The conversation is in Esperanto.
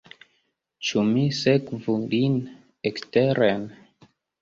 Ĉu mi sekvu lin eksteren?